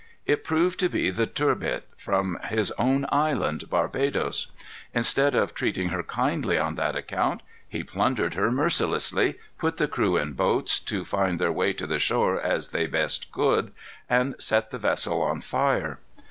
It proved to be the Turbet, from his own island, Barbadoes. Instead of treating her kindly on that account, he plundered her mercilessly, put the crew in boats, to find their way to the shore as they best could, and set the vessel on fire.